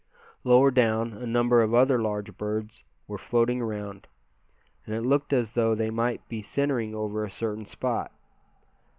Lower down a number of other large birds were floating around, and it looked as though they might be centering over a certain spot.